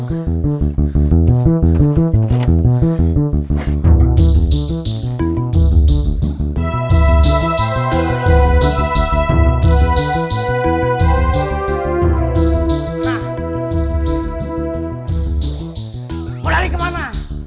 kamu lari kemana